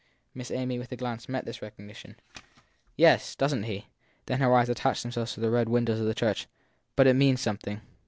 Miss Amy, with a glance, met this recognition. Yes doesn t he? ; Then her eyes attached themselves to the red windows of the church. But it means something.